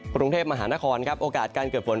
กรุงเทพมหานครครับโอกาสการเกิดฝน